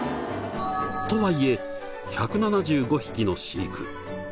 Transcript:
とはいえ１７５匹の飼育。